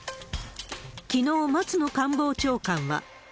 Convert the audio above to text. きのう、松野官房長官は。